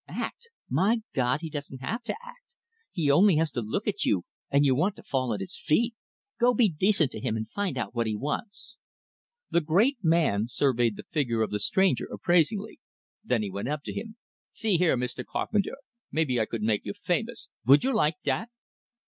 "Act? My God, he don't have to act! He only has to look at you, and you want to fall at his feet. Go be decent to him, and find out what he wants." The great man surveyed the figure of the stranger appraisingly. Then he went up to him. "See here, Mr. Carpenter, maybe I could make you famous. Vould you like dat?"